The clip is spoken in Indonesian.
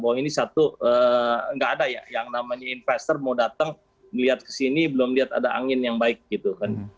bahwa ini satu nggak ada ya yang namanya investor mau datang melihat ke sini belum lihat ada angin yang baik gitu kan